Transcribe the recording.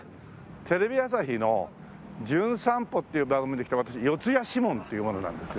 テレビ朝日の『じゅん散歩』っていう番組で来た私四谷シモンっていう者なんです。